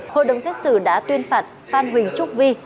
hội đồng xét xử đã tuyên phạt phan huỳnh trúc vi